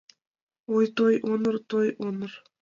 Ой, той оҥгыр, той оҥгыр